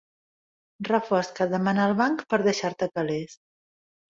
Reforç que et demana el banc per deixar-te calés.